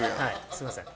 すみません。